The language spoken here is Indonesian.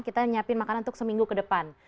kita nyiapin makanan untuk seminggu ke depan